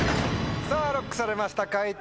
さぁＬＯＣＫされました解答